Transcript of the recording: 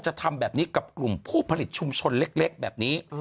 ทำแบบนี้กับกลุ่มผู้ผลิตชุมชนเล็กแบบนี้